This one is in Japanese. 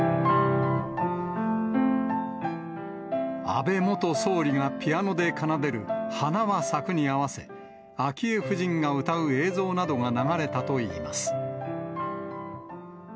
安倍元総理がピアノで奏でる花は咲くにあわせ、昭恵夫人が歌う映像などが流れたといいます。